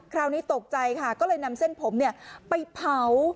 คราวนี้ตกใจค่ะก็เลยนำเส้นผมไปเผา